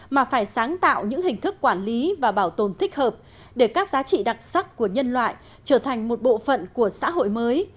mà phải sáng tạo những hình thức quản lý và bảo tồn thích hợp để các giá trị đặc sắc của nhân loại trở thành một bộ phận của xã hội mới